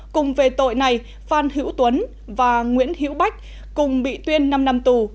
cùng về tội này phan hữu tuấn và nguyễn hữu bách cùng bị tuyên năm năm tù